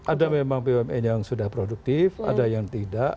ada memang bumn yang sudah produktif ada yang tidak